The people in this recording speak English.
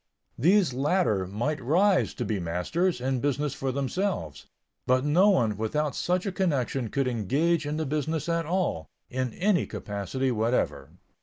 These latter might rise to be masters, in business for themselves. But no one without such a connection could engage in the business at all, in any capacity whatever.